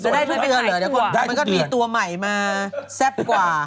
ได้ทุกเดือนเหรอเดี๋ยวคุณมันก็มีตัวใหม่มาแซ่บกว่า